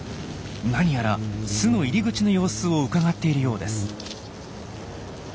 何やら巣の入り口の様子をうかがっているようです。